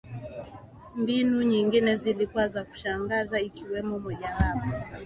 Mbinu nyingine zilikuwa za kushangaza ikiwemo mojawapo